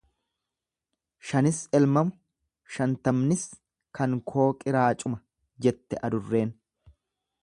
Shanis elmamu shantamnis kan koo qiraacuma jette adurreen.